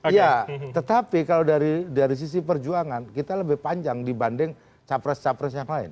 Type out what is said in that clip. ya tetapi kalau dari sisi perjuangan kita lebih panjang dibanding capres capres yang lain